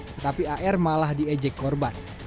tetapi ar malah diejek korban